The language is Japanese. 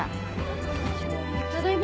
ただいま。